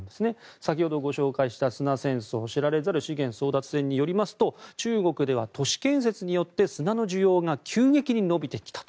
先ほどご紹介した「砂戦争知られざる資源争奪戦」によりますと中国では都市建設によって砂の需要が急激に伸びてきたと。